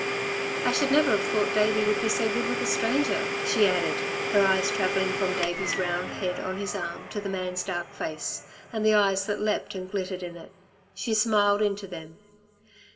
"I should never have thought Davey would be so good with a stranger," she added, her eyes travelling from Davey's round head on his arm to the man's dark face, and the eyes that leapt and glittered in it. She smiled into them.